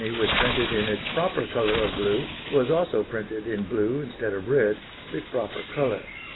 was printed in its proper colour of blue, was also printed in blue instead of red, the proper colour.